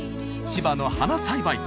千葉の花栽培！